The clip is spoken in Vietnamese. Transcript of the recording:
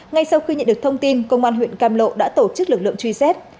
ngay sau khi nhận được thông tin công an huyện cam lộ đã tổ chức lực lượng truy xét